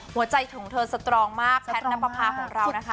หัวใจของเธอสตรองมากแพทย์นับประพาของเรานะคะ